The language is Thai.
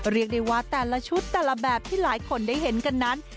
เรียกได้ว่าแต่ละชุดแต่ละแบบที่หลายคนได้เห็นกันนั้น